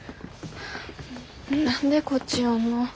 何でこっち寄んの？